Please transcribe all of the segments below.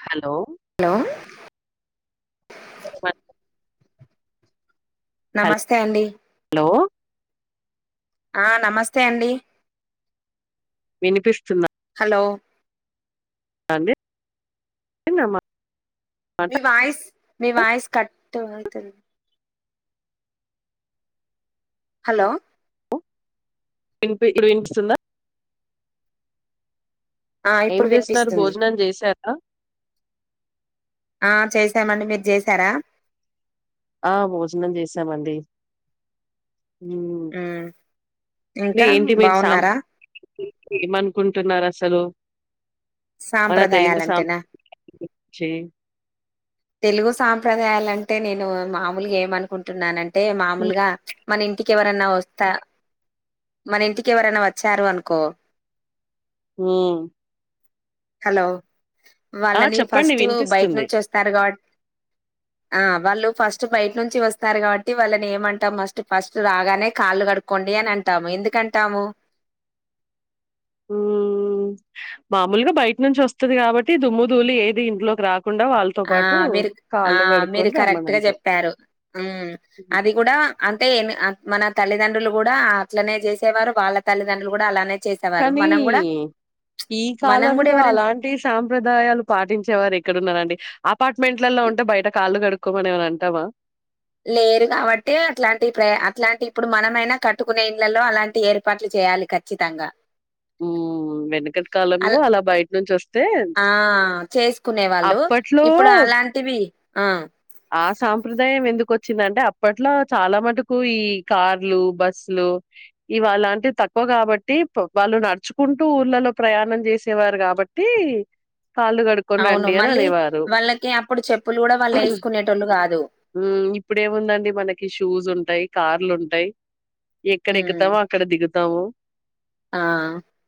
Hello hello అ నమస్తే అండి హలో ఆ నమస్తే అండి వినిపిస్తుందా హలో అండి నామా మీ వాయిస్ మీ వాయిస్ కటు అయితంది హలో వినిపి ఇప్పుడు వినిపిస్తుందా ఆ ఏం ఇప్పుడు చేస్తున్నారు వినిపిస్తుంది భోజనం చేసారా ఆ చేసామండి మీరు చేసారా ఆ భోజనం చేసామండి ఉ ఉమ్ ఇంకా ఏంటి మీ బాగున్నారా సాంప్రదాయాలు ఏమనుకుంటున్నారు అసలు మన తెలుగు సాంప్రదాయాలంటేనా సాంస్కృతి గురించి తెలుగు సాంప్రదాయాలు అంటే నేను మామూలుగా ఏమనుకుంటున్నాన అంటే మ్ మామూలుగా మన ఇ ఇంటికి ఎవరైనా వస్తా మన ఇంటికి ఎవరైనా వచ్చారు అనుకో ఉ హలో ఆ వాళ్ళని చెప్పండి ఫస్ట్ బయట వినిపిస్తుంది నుంచి వస్తారు గట్ ఆ వాళ్ళు ఫస్ట్ బయట నుంచి వస్తారు కాబట్టి వాళ్ళని ఏమంటాం ఫస్ట్ ఫస్ట్ రాగానే కాళ్ళు కడు కొండి అని అంటాము ఎందుకంటాము ఉ మామూలుగా బయట నుంచి వస్తుది కాబట్టి దుమ్ము దూలి ఏది ఇంట్లోకి రాకుండా వాళ్ళు ఆ మీరు ఆ మీరు రమ్మని కరెక్ట్ గా అంటాం చెప్పారు అది కూడా అంటే మన తల్లిదండ్రులు కూడా అట్లనే చేసేవారు వాళ్ళ తల్లిదండ్రులు కూడా అలానే చేసేవారు కానీ మనం కూడా ఈ మనం కూడా కాలంలో ఎవరైనా అలాంటి సాంప్రదాయాలు పాటించే వారు ఎక్కడున్నారంండి అపార్ట్మెంట్లలో ఉంటే బయట కాళ్ళు కడు కొమ్మని ఏమనా అంటామా లేరు కాబట్టి అట్లాంటి ప్ర అట్లాంటి ఇప్పుడు మనమైనా కట్టుకునే ఇళ్లల్లో అలాంటి ఏర్పాట్లు చేయాలి కదా ఖచ్చితంగా ఉ వెనుకటి అల్ కాలంలో అలా బయట నుంచి వస్తే ఆ అప్పట్లో తివి ఆ ఆ సాంప్రదాయం ఎందుకు వచ్చిందంటే అప్పట్లో చాలా మటుకు ఈ కార్లు బస్సులు ఇవాలాంటివి తక్కువ కాబట్టి వాళ్ళు నడుచుకుంటూ ఊళ్ళలో ప్రయాణం చేసేవారు కాబట్టి కాళ్లు కడుక్కునేవారు అవును మళ్ళీ వాళ్ళకి అప్పుడు చెప్పులు కూడా వాళ్ళు వేసుకునేటోళ్ళు కాదు ఉ ఇప్పుడేముందండి మనకి షూస్ ఉంటాయి కార్లు ఉంటాయి ఎక్కడ ఉమ్ ఎక్కుతావో అక్కడ దిగుతావు ఆ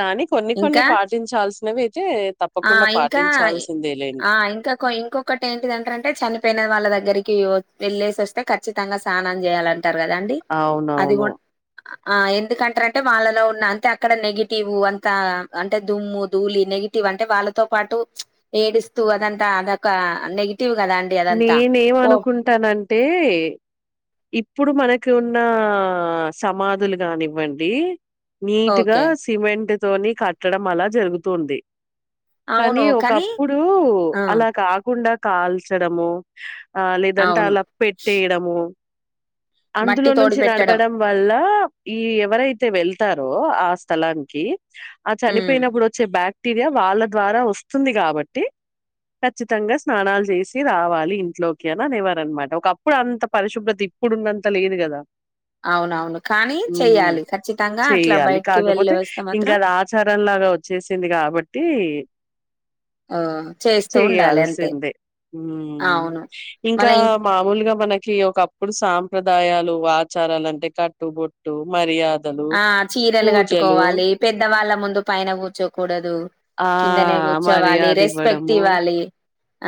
కానీ కొన్ని కొన్ని ఇంకా పాటించాల్సినవి అయితే తప్ప ఆ ఇంకా ఆ ఇంకా ఇంకొ ఒకట ఏంటింటారంటే చనిపోయినది వాళ్ళ దగ్గరికి వెళ్ళేసి వస్తే ఖచ్చితంగా స్నానం చేయాలంటారు కదాండి అది అవునవును గుడా ఆ ఎందుకంటార అంటే వాళ్ళలో ఉన్న అంటే అక్కడ నెగిటివ్ అంత అంటే దుమ్ము ధూలి నెగిటి వ్ అంటే వాళ్ళతో పాటు ఏడిస్తూ అదంతా అదొక నెగిటివ్ కదంటే నేనేమ అనుకుంటానంటే ఇప్పుడు మనకు ఉన్న సమాధులు కానివ్వండి నీట్ గా ఓకే సిమెంట్ తోని కట్టడం అలా జరుగుతుంది కానీ ఒకప్పుడు ఆ అలా కాకుండా కాల్చడము ఆ లేదంటే అవును అలా పెట్టేయడము మట్టి అందులో తోడి నుంచి పెట్టడం నడవడం వల్ళ ఈ ఎవరైతే వెళ్తారో ఆ స్థలానికి ఆ ఉమ్ చనిపోయినప్పుడు వచ్చే బ్యాక్, ర్టీయా వాళ్ళ ద్వారా వస్తుంది కాబట్టి ఖచ్చితంగా స్నానాలు చేసి, రావాలి ఇంట్లోకి అని అనివ్వారనమాట ఒక అప్పుడు అంత పరిశుభ్రత ఇప్పుడున్నంత లేదు కదా. అవునవును కానీ చెయ్యాలి ఖచ్చితంగా అట్లా బయటికి వెళ్ళ వస్తే మాత్రం, చారంలాగా వచ్చేసింది కాబట్టి, ఆ చేస్తూ ఉండాలి అంతే, ఉమ్ అవును ఇంకా మళ్ళ ఇం మామూలుగా మనకి ఒక అప్, ఇప్పుడు సాంప్రదాయాలు ఆచారాలు అంటే కట్టుబొట్టు మర్యాద, ఆ చీరలు కట్టుకోవాలి పెద్దవాళ్ళ ముందు పైన కూర్చోకూడదు. ఆ కిందనే కూర్చోవాలి మర్యాద రెస్పెక్ట్ ఇవ్వడము ఇవ్వాలి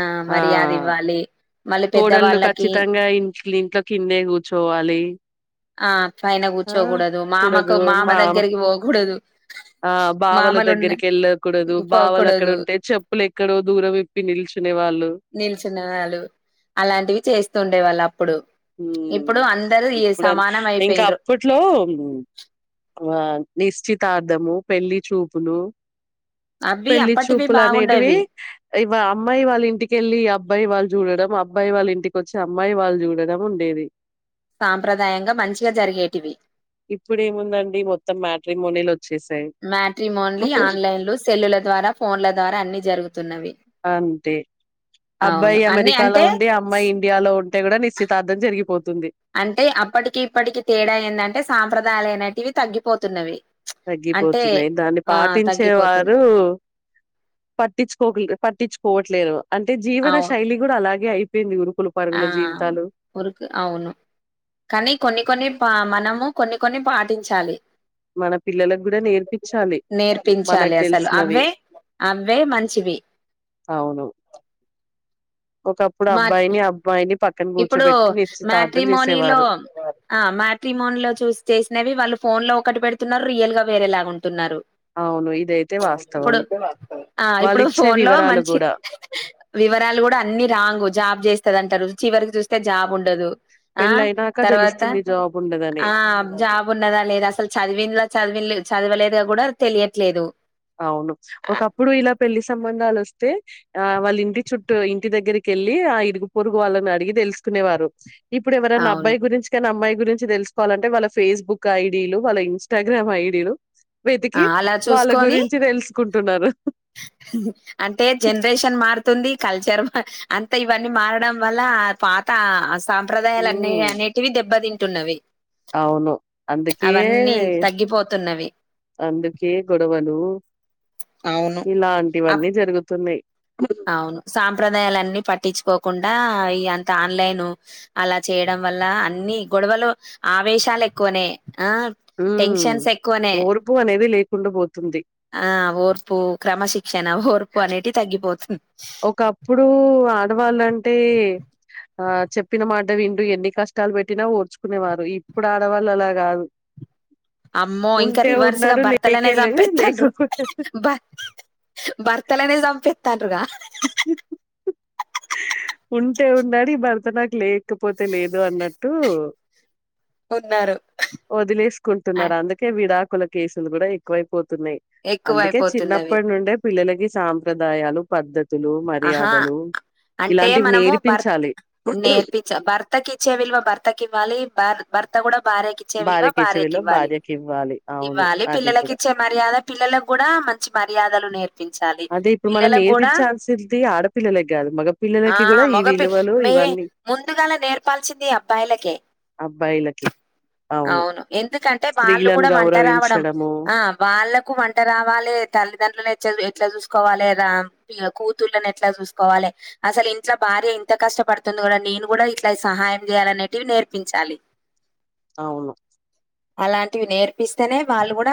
ఆ మర్యాద ఇవ్వాలి. మళ్ళీ కోడళ్ళలు పెద్దవాళ్ళకి ఖచ్చితంగా ఇంట్ ఇంట్లో కిన్నే కూర్చోవాలి. ఆ పైన ఆ కూర్చోకూడదు కూడదు మామకు మామ మా దగ్గరికి పోకూడదు. ఆ బావల మామలు ఉన్న దగ్గరికి వెళ్ళకూడదు బావలు అక్కడ పోకూడదు ఉంటే చెప్పులు ఎక్కడో దూరం విప్పి నిల్చునే వాళ్ళు, నిలిచుినాలు అలాంటివి చేస్తూ ఉండే వాళ్ళు అప్పుడు, ఉమ్ ఇప్పుడు అందరుూ ఈ సమానం అయిపోయిన్రు. ఇంట్లో ఆ నిశ్చితార్ధము పెళ్లి చూపులు, అవి పెళ్లి అప్పటివి చూపులు అనేటివి బాగుండేవి ఇవ అమ్మాయి వాళ్ళు ఇంటికెళ్ళి అబ్బాయి వాళ్ళు, చూడడం అబ్బాయి వాళ్ళ ఇంటికి వచ్చి అమ్మాయి వాళ్ళు చూడడం ఉండేది. సాంప్రదాయంగా మంచిగా జరిగేటివి. ఇప్పుడు ఏముందండి మొత్తం మ్యాట్రిమోనీలు వచ్చేసాయి. మ్యాటీ మోన్లీ ఆన్లైన్లు సెల్లుల ద్వారా ఫోన్ల ద్వారా అన్ని జరుగుతున్నవి. అంతే అవును అబ్బాయి అన్ని అమెరికాలో అంటే ఉండి అమ్మాయి ఇండియాలో ఉంటే కూడా నిశ్చితార్థం జరిగిపోతుంది. అంటే అప్పటికి ఇప్పటికి తేడా ఏందంటే సాంప్రదాయాలు అయిైనటివి తగ్గిపోతున్నవి. అంటే తగ్గిపోతున్నాయి దాన్ని ఆ తగ్గిపోతున్నా పాటించేవారు. పట్టించుకో పట్టించుకోవట్లేదు అంటే జీవన అవును శైలి, కూడా అలాగే అయిపోయింది ఉరుకులు, ఆ పరుగుల జీవితాలు ఉరుకు అవును. కానీ కొన్ని కొన్ని పా మనము కొన్ని కొన్ని పాటించాలి. మన పిల్లలలకు కూడా నేర్పించాలి మనకు తెలిసినవి. అబ్బే మంచివి. అవును. ఒకప్పుడు మా అబ్బాయిని అబ్బాయిని పక్క ఇప్పుడు మ్యాట్రీ మోనీలో ఆ మా్యాట్రిమోన్ లో చూస్ చేసినవి వాళ్ళు ఫోన్ లో ఒకటి పెడుతున్నారు రియల్ గా వేరేలాగాంటున్నారు. అవును ఇదైతే వాస్తవం ఇప్పుడు ఆ వాళ్ళు ఇప్పుడు ఇచ్చే ఫోన్ లో వివరాలు మంచి కూడా వివరాలు కూడా అన్ని రాంగ జాబ్ చేస్తదింటారు చివరికి చూస్తే జాబ్ ఉండదు. ఆ పెళ్ళయినాక తర్వాత తెలుస్తుంది జాబ్ ఉండదని ఆ జాబ్. ఉన్నదా లేదా అసలు చదివిన చది చదవలేదుగా కూడా తెలియట్లేదు. అవును ఒకప్పుడు ఇలా పెళ్లి సంబంధాలు వస్తే ఆ వాళ్ళ ఇంటి చుట్టూ ఇంటి దగ్గరికి వెళ్ళి ఆ ఇరుగు పొరుగు వాళ్ళని అడిగి తెలుసుకునేవారు. ఇప్పుడు ఎవరైన్న అవును అబ్బాయి గురించి కానీ అమ్మాయి గురించి తెలుసుకోవాలంటే వాళ్ళ ఫేస్బుక్ ఐడీలు వాళ్ళ ఇన్స్టాగ్రామ్ ఐడీలు, వెతికి అలా వాళ్ళ చూసుకొని గురించి తెలుసుకుంటున్నారు. అంటే జనరేషన్ మారుతుంది కల్చర్ మ, అంత ఇవన్నీ మారడం వల్ల పాత సాంప్రదాయాలు అన్ని ఉమ్ అనేటివి దెబ్బ తింటున్నవి అవును అందుకే తగ్గిపోతున్నవి అందుకే గొడవలు అవును ఇలాంటివన్నీ అప్- జరుగుతున్నాయ్ అవును సాంప్రదాయాలన్ని పట్టించుకోకుండ ఈ అంత ఆన్లైను అల చేయడం వల్ల అన్ని గొడవలు ఆవేశాలు ఎక్కువనే ఆ ఉ టెన్షన్స్ ఎక్కువనే ఓర్పు అనేది లేకుండ పోతుంది ఆ ఓర్పు క్రమశిక్షణ ఓర్పు అనేటి తగ్గిపోతు ఒకప్పుడు ఆడవాళ్ళంటే ఆ చెప్పిన మాట వింటు ఎన్ని కష్టాలు పెట్టిన ఓర్చుకునేవారు ఇప్పుడు ఆడవాళ్ళు అల కాదు అమ్మో ఇంక ఉంటే రివర్స్గా ఉన్నాడు భర్తలనే లేకే లేదు చంపేస్తాండ్రూ లేకపోతే బర్తలనే సంపెత్తండ్రుగ ఇ ఉంటే ఉన్నాడు ఈ భర్త నాకు లేకపోతే లేదు అన్నట్టు ఉన్నారు వదిలేసుకుంటున్నారు అందుకే విడాకుల కేసులు కూడ ఎక్కువైపోతున్నయ్ అందుకే ఎక్కువైపోతుంది అవి చిన్నప్పటి నుండే పిల్లలకి సాంప్రదాయాలు పద్ధ తులు ఆహా మర్యాదలు అంటే ఇలాంటివి మనము భర్ నేర్పించాలి నేర్పించ భర్తకి ఇచ్చే విలువ భర్తకి ఇవ్వాలి భర్త కూడ బార్యకి చ్చే విల్వ భార్యకి ఇచ్చవిలో ఇవ్వాలి భార్యకి ఇవ్వాలి అవును ఇవ్వాలి అది కూడా పిల్లలకి ఇచ్చే మర్యాద పిల్లలకు కూడ మంచి మర్యాదలు నెర్ అదే ఇప్పుడు మనం నేర్పించాల్సిది ఆడపిల్లలకు కాదు మగ ఆ ఆ మగపి మే ముందుగాల నేర్పాల్సింది అబ్బాయలకే అబ్బాయిలకి అవును ఎందుకంటే వాళ్ళు స్త్రీలను కూడ వంట రావడం గౌరవించడము ఆ వాళ్లకు వంట రావాలే తల్లిదండ్రులను ఎట్ల చూసుకోవాలేద కూతులన్ని ఎట్లా చూసుకోవాలే అసలు ఇంట్లో భార్య [unintelligible] కష్టపడుతుంది కూడ నేను కూడ ఇట్లా సహాయం చేయాలనేటివి నేర్పించాలి అవును అలాంటివి నేర్పిస్తే వాళ్ళు గూడ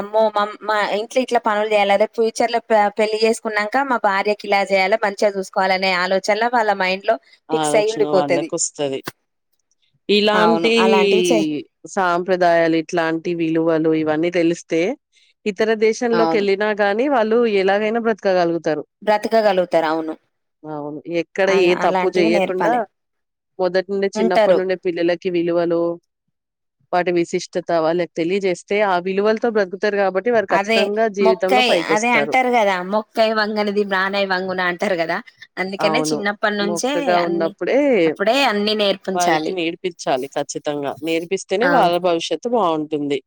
అమ్మో మా ఇంట్లో ఇట్ల పనులు చేయాల అదే ఫ్యూచర్ లో పెళ్లి చేసుకున్నాక మా భార్య ఇల చేయాల మంచిగా చూసుకోవాలనే ఆలోచనలో వాళ్ళ మైండ్ లో ఆలోచన వాళ్ళకు వస్తది అవును. ఇలాంటీ అలాంటివి చెయ్ సాంప్రదాయాలు ఇట్లాంటి విలువలు ఇవన్నీ తెలిస్తే ఇతర దేశంలోకి అవును. వెళ్ళినా గానీ వాళ్ళు ఎలాగైన బ్రతకగలుగుతారు బ్రతకగలుగుతారు. అవును. అవును ఎక్కడ ఏ అలా తప్ అలాంటివి చేయ్యకుండ నేర్పాలే. మొదటి నుండి చిన్నప్పటి ఉంటారు నుండి పిల్లలకి విలువలు వాటి విశిష్టత వాళ్లకి తెలియజేస్తే ఆ విలువలతో బ్రతుకుతారు కాబ అదే మొక్కయి అదే అంటారు కదా మొ మొక్కై వంగనిది మానై వంగున అంటారు కదా అందుకనే అవును. చిన్నప్పటి నుంచే మొక్కగా అన్ని ఉన్నప్పుడే అప్పుడే అన్ని వారికి నేర్పించాలి నేర్పించాలి ఖచ్చితంగ నేర్పిస్తేనే ఆ వాళ్ళ భవిష్యత్తు బాగుంటుంది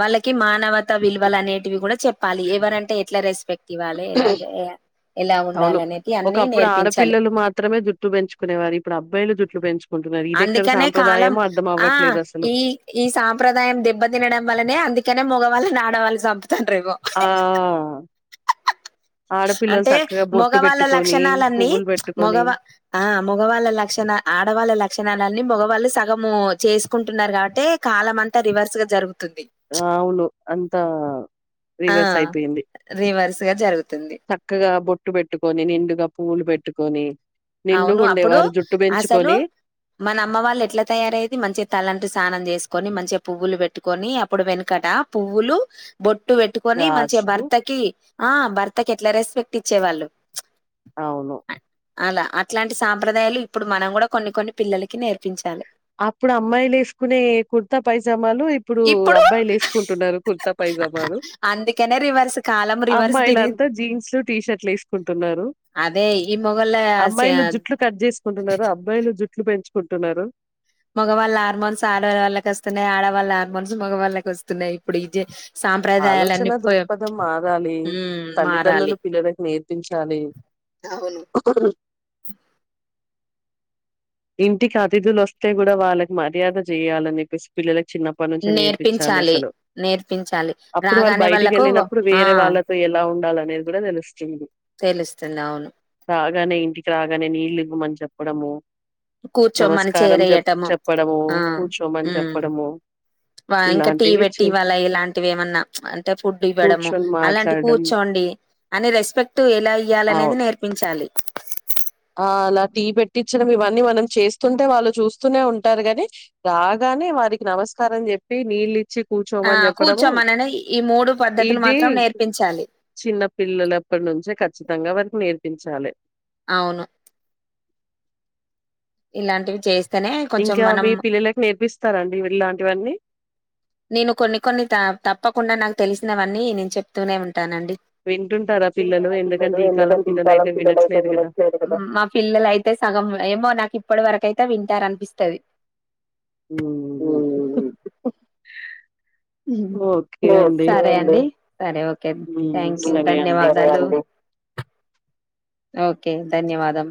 వాళ్ళకి మానవత విలువలు అనేటివి కూడ చెప్పాలి ఎవరంటే ఎట్ల రెస్పెక్ ఇవ్వాళే [unintelligible] అవును ఒకప్పుడు ఆడపిల్లలు మాత్రమే జుట్టు పెంచుకునేవారు ఇప్పుడు అబ్బాయిలు జుట్లు పెంచు ఉంటున్నారు ఇది ఎక్కడ అందుకనే కాలం సాంప్రదాయమో ఆ అర్థమవ్వట్లేదు అసలు ఈ ఈ సాంప్రదాయం దెబ్బ తినడం వల్లనే అందుకనే మగవాళ్ళని ఆడవాళ్ళు సంపుతాండ్రు ఎగో ఆ ఆ ఆడపిల్లలు అంటే చక్కగా బొట్టు మగవాళ్ళ పెట్టుకొని, లక్షణాలన్నీ పువ్వులు పెట్టుకొని మగవా ఆ మగవాళ్ళ లక్షణ ఆడవాళ్ళ లక్షణాలన్నీ మగవాళ్ళు సగము చేసుకుంటున్నారు కాబట్టే కాలమంతా రివర్స్‌గా జరుగుతుంది అవును అంతా రివర్స్ అయిపోయింది రివర్స్‌గా జరుగుతుంది చక్కగా బొట్టు పెట్టుకొని నిండుగా పూవులు పెట్టుకొని నిండుగా అవును అప్పుడు ఉండేవారు జుట్టు అసలు పెంచుకొని మన అమ్మ వాళ్ళు ఎట్లా తయారయ్యేది మంచిగా తలంటు సానం చేసుకుని మంచిగా పువ్వులు పెట్టుకొని అప్పుడు వెనకట పువ్వులు బొట్టు పెట్టుకొని మంచిగా గాజులు భర్తకి ఆ భర్తకి ఎట్లా రెస్పెక్ట్ ఇచ్చేవాళ్ళు అవును అలా అట్లాంటి సాంప్రదాయాలు ఇప్పుడు మనం కూడా కొన్ని కొన్ని పిల్లలకి నేర్పించాలి అప్పుడు అమ్మాయిలు ఎసుకునే కుర్తా పైజామాలు ఇప్పుడు అబ్బాయిలు ఏసుకుంటున్నారు కుర్తా పైజామాలు అందుకనే రివర్స్ కాలం రివర్స్ తిరిగింది అమ్మాయిలంతా జీన్స్‌లు టీషర్ట్లు ఏసుకుంటున్నారు అదే ఈ మొ అమ్మాయిలు జుట్లు కట్ చేసుకుంటున్నారు అబ్బాయిలు జుట్లు పెంచుకుంటున్నారు మగవాళ్ళ ఆర్మోన్స్ ఆడవాళ్ళకి వస్తున్నాయి ఆడవాళ్ళ ఆర్మోన్స్ మగవాళ్ళకి వస్తున్నాయి ఇప్పుడు ఇ జ ఆలోచన సాంప్రదాయాలన్నీ పో దృక్పథం మారాలి ఉమ్మ్ మారాలి తల్లిదండ్రులు పిల్లలకు అవును అ [inaudible] ఇంటికి అతిథులు వస్తే కూడా వాళ్ళకి మర్యాద చేయాలని పసిపిల్లలకి చిన్న అప్పనుంచే నేర్పిచాలి నేర్పించాలి అసలు నేర్పించాలి అప్పుడు వాళ్ళు రాగానే బయటికి వాళ్ళకు ఎళ్ళినప్పుడు ఆ వేరే వాళ్ళ తో ఎలా ఉండాల అనేది కూడా తెలుస్తుంది తెలుస్తుంది అవును రాగానే ఇంటికి రాగానే నీళ్లు ఇవ్వమని చెప్పడము కూర్చొమని నమస్కారం చైర్ చెప్ ఎయ్యటము చెప్పడము ఆ కూర్చోమని ఉమ్మ్ చెప్పడము వ ఇంకా టీ ఇలాంటివి పెట్టి చే ఇవ్వలా ఇలాంటివి ఏమన్నా అంటే ఫుడ్ ఇవ్వడము కూర్చొని అలాంటి మాట్లాడడం కూర్చోండి అని రెస్పెక్ట్ ఎలా ఇయ్యాలనేది అవును నేర్పించాలి ఆ అలా టీ పెట్టిచడం ఇవన్నీ మనం చేస్తుంటే వాళ్ళు చూస్తూనే ఉంటారు గాని రాగానే వారికి నమస్కారం చెప్పి నీళ్లిచ్చి ఆ కూర్చోమనని ఈ మూడు పద్ధతులు ఇది మాత్రం నేర్పించాలి చిన్న పిల్లలప్పటి నుంచే ఖచ్చితంగా వారికి నేర్పించాలి అవును ఇలాంటివి చే ఇంకా మీ పిల్లలకి నేర్పిస్తారండి ఇలాంటివన్నీ నేను కొన్ని కొన్ని త తప్పకుండా నాకు తెలిసినవన్నీ నేను చెప్తూనే ఉంటానండి వింటుంటారా పిల్లలు ఎందుకంటే ఈ కాలం పిల్లలైతే వినట్లేదు ఉమ్మ్ మా పిల్లలైతే సగం ఏమో నాకు ఇప్పటి వరకైతే వింటారనిపిస్తాది ఉమ్మ్ ఉమ్మ్ సరే అండి సరే ఓకే హ్మ్. థాంక్యూ సరే అండి ధన్యవాదాలు ఓకే ధన్యవాదం